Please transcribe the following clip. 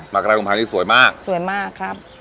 มักราคุมภานี่สวยมากสวยมากครับ